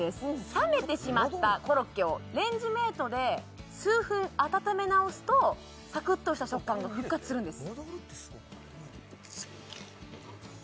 冷めてしまったコロッケをレンジメートで数分温めなおすとサクッとした食感が復活するんです